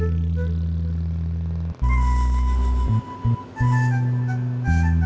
tentang masalah yang adalah